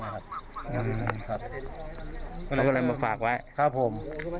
เราก็เลยมาฝากไว้ครับผม